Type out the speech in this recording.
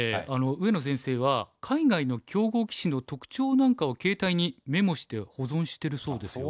上野先生は海外の強豪棋士の特徴なんかを携帯にメモして保存してるそうですよ。